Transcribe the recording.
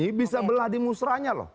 ini bisa belah di musrahnya loh